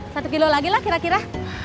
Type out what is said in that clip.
satu kilo lagi lah kira kira